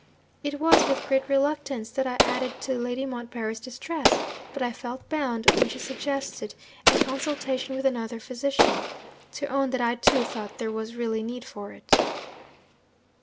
It was with great reluctance that I added to Lady Montbarry's distress; but I felt bound, when she suggested a consultation with another physician, to own that I too thought there was really need for it.